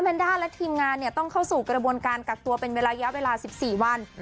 ด้าและทีมงานต้องเข้าสู่กระบวนการกักตัวเป็นระยะเวลา๑๔วัน